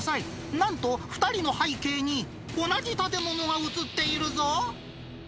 なんと２人の背景に、同じ建物が写っているぞ。